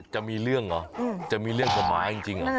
จะมีเรื่องหรอจะมีเรื่องของหมาจริง